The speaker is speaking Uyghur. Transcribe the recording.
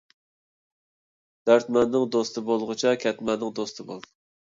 دەردمەننىڭ دوستى بولغۇچە، كەتمەننىڭ دوستى بول.